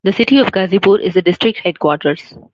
The city of Ghazipur is the district headquarters.